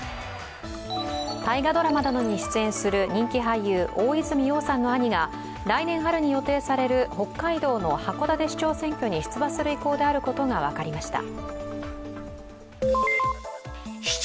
大河ドラマなどに出演する人気俳優、大泉洋さんの兄が来年春に予定される北海道の函館市長選挙に出馬する意向であることが分かりました。